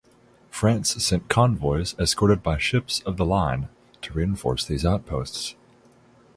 France sent convoys escorted by ships of the line to reinforce these outpost.